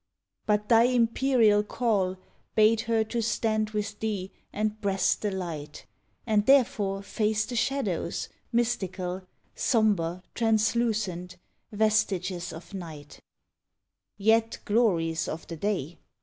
But thy imperial call Bade her to stand with thee and breast the light, And therefore face the shadows, mystical, Sombre, translucent, vestiges of night, Yet glories of the day.